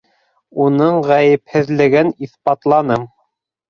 Уның ғәйепһеҙлеген иҫбатланым.